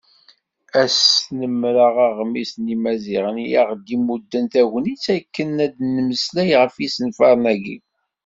Ad snemreɣ Aɣmis n Yimaziɣen i aɣ-d-imudden tagnit akken ad d-nemmeslay ɣef yisenfaren-agi.